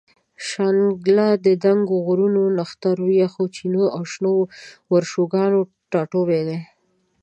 شانګله د دنګو غرونو، نخترو، یخو چینو او شنو ورشوګانو ټاټوبے دے